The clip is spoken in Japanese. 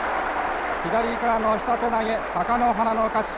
左からの下手投げ、貴ノ花の勝ち。